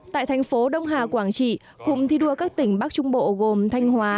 tại thành phố đông hà quảng trị cụm thi đua các tỉnh bắc trung bộ gồm thanh hóa